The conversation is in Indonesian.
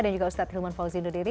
dan juga ustadz ilman fauzi dan diri